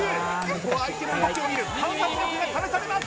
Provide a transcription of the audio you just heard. ここは相手の動きを見る観察力が試されます